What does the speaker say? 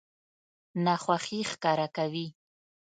ناخوښي ښکاره کوي.